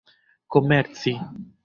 komerci